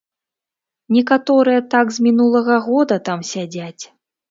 Некаторыя так з мінулага года там сядзяць.